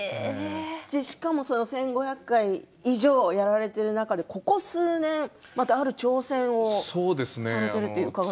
しかも１５００回以上やられている中で、ここ数年またある挑戦をされていると伺いました。